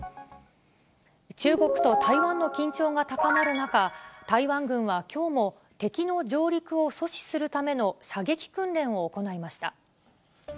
中国と台湾の緊張が高まる中、台湾軍はきょうも敵の上陸を阻止するための射撃訓練を行いました。